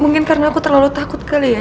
mungkin karena aku terlalu takut kali ya